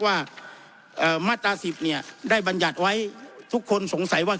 ว่ามาตรา๑๐เนี่ยได้บรรยัติไว้ทุกคนสงสัยว่า